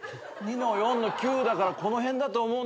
２の４の９だからこの辺だと。